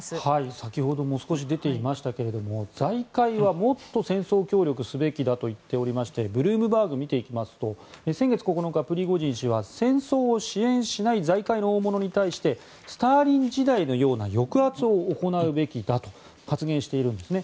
先ほども少し出ていましたが財界はもっと戦争協力すべきだと言っていましてブルームバーグを見ていきますと先月９日プリゴジン氏は戦争を支援しない財界の大物に対してスターリン時代のような抑圧を行うべきだと発言しているんですね。